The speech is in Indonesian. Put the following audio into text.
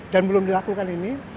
dan belum dilakukan ini